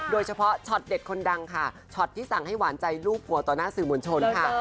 ช็อตเด็ดคนดังค่ะช็อตที่สั่งให้หวานใจลูกหัวต่อหน้าสื่อมวลชนค่ะ